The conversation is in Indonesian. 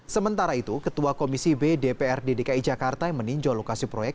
sementara itu ketua komisi b dprd dki jakarta yang meninjau lokasi proyek